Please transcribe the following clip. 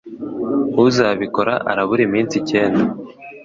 Uzabikora arabura iminsi icyenda